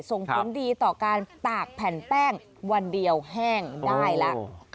ส่งผลดีต่อการตากแผ่นแป้งวันเดียวแห้งได้แล้ว